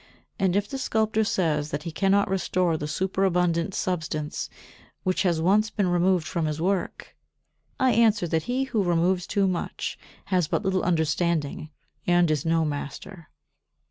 And if the sculptor says that he cannot restore the superabundant substance which has once been removed from his work, I answer that he who removes too much has but little understanding and is no master.